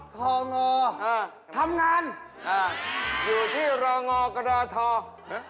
ทองออ่าทำงานอ่าอยู่ที่รองอกระดอทอนะ